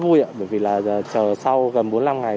mình thấy rất vui ạ bởi vì là giờ chờ sau gần bốn năm ngày